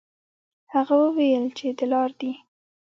هغه وویل چې دلار دي.